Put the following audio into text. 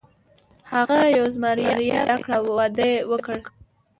هغه یوه زمریه پیدا کړه او واده یې وکړ.